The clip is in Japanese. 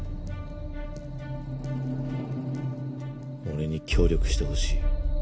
俺に協力してほしい。